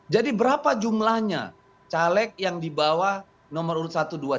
jadi berapa jumlahnya caleg yang dibawa nomor urut satu dua tiga